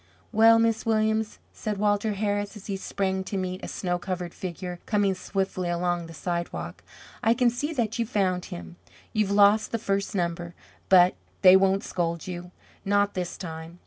"Well, Miss Williams," said Walter Harris, as he sprang to meet a snow covered figure coming swiftly along the sidewalk. "I can see that you found him. You've lost the first number, but they won't scold you not this time."